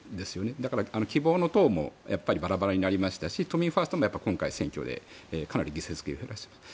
だから、希望の党もバラバラになりましたし都民ファーストも今回選挙でかなり議席数を減らしました。